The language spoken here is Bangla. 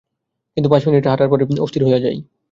কিন্তু পাঁচ মিনিট হাঁটার পরই অস্থির হইয়্যা যাই।